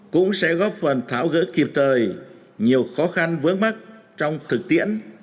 cũng sẽ góp phần tháo gỡ kịp thời nhiều khó khăn vướng mắt trong thực tiễn